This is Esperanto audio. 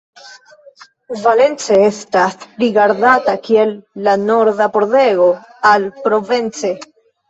Valence estas rigardata kiel la norda pordego al Provence.